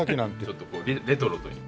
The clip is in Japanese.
ちょっとこうレトロという。